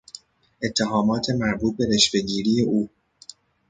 اتهامات مربوط به رشوهگیری او